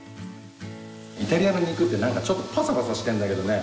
イタリアの肉って何かちょっとパサパサしてんだけどね